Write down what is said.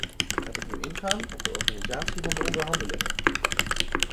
Laat ik nu ingaan op de organisatie van de onderhandelingen.